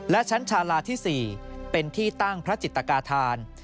และชั้นชาลาที่๔เป็นที่ตั้งพระจิตกาธาน